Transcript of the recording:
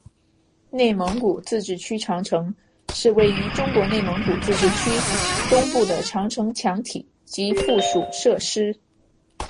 内蒙古自治区长城是位于中国内蒙古自治区东部的长城墙体及附属设施。